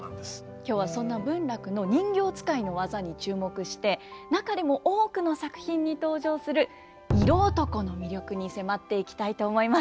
今日はそんな文楽の人形遣いの技に注目して中でも多くの作品に登場する色男の魅力に迫っていきたいと思います。